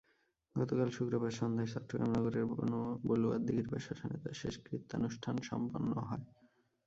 গতকাল শুক্রবার সন্ধ্যায় চট্টগ্রাম নগরের বলুয়ার দিঘীরপাড় শ্মশানে তাঁর শেষকৃত্যানুষ্ঠান সম্পন্ন হয়।